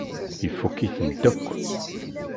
Ifukk-itent akk.